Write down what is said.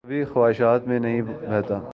کبھی خواہشات میں نہیں بہتا